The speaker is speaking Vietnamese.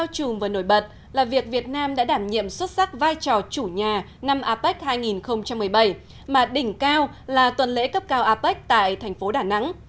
chùm và nổi bật là việc việt nam đã đảm nhiệm xuất sắc vai trò chủ nhà năm apec hai nghìn một mươi bảy mà đỉnh cao là tuần lễ cấp cao apec tại thành phố đà nẵng